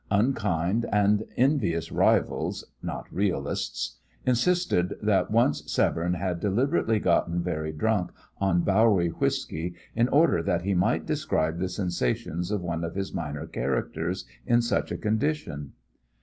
Unkind and envious rivals not realists insisted that once Severne had deliberately gotten very drunk on Bowery whiskey in order that he might describe the sensations of one of his minor characters in such a condition.